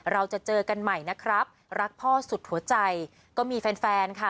เราจะเจอกันใหม่นะครับรักพ่อสุดหัวใจก็มีแฟนแฟนค่ะ